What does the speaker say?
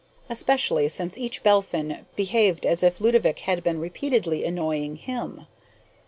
Especially since each Belphin behaved as if Ludovick had been repeatedly annoying him.